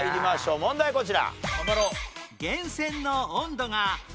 問題こちら。